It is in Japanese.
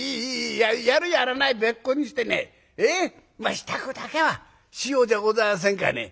やるやらないべっこにしてねまあ支度だけはしようじゃございませんかね。